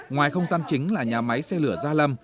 ngoài không gian chính là nhà máy xây lửa gia lâm